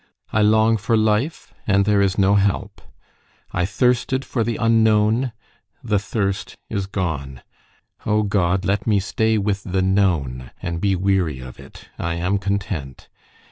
I long for life, and there is no help. I thirsted for the unknown: the thirst is gone. O God, let me stay with the known, and be weary of it: I am content.